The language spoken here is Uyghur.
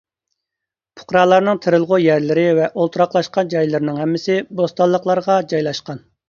پۇقرالارنىڭ تېرىلغۇ يەرلىرى ۋە ئولتۇراقلاشقان جايلىرىنىڭ ھەممىسى بوستانلىقلارغا جايلاشقان.